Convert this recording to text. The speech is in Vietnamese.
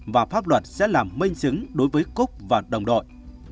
và pháp luật sẽ làm minh chứng đối với cúc và đồng đội